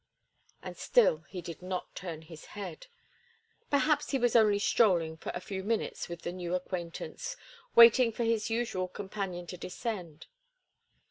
And still he did not turn his head. Perhaps he was only strolling for a few minutes with the new acquaintance, waiting for his usual companion to descend.